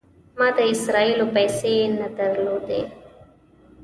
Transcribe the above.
ما د اسرائیلو پیسې نه درلودې.